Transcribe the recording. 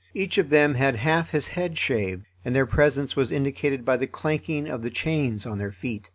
Each of them had half his head shaved, and their presence was indicated by the clanking of the chains on their feet.